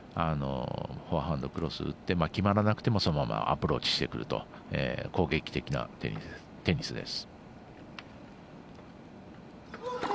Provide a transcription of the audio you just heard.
フォアハンド、クロス打って決まらなくてもそのままアプローチしてくると攻撃的なテニスです。